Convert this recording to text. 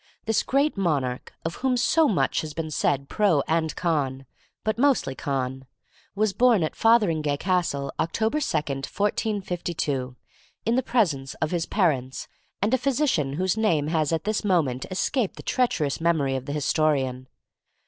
This great monarch, of whom so much has been said pro and con, but mostly con, was born at Fotheringhay Castle, October 2, 1452, in the presence of his parents and a physician whose name has at this moment escaped the treacherous memory of the historian.